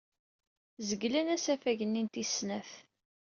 Zeglen asafag-nni n tis snat.